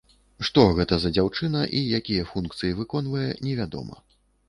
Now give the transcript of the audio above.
Што гэта за дзяўчына і якія функцыі выконвае невядома.